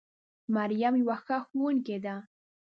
مريم يوه ښه ښوونکې ده